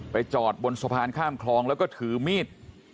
จอดบนสะพานข้ามคลองแล้วก็ถือมีด